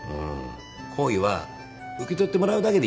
厚意は受け取ってもらうだけでいいんだ。